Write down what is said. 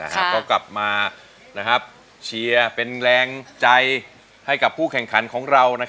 ก็กลับมานะครับเชียร์เป็นแรงใจให้กับผู้แข่งขันของเรานะครับ